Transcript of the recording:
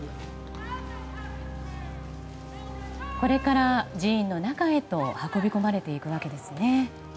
これから寺院の中へと運び込まれていくわけですね。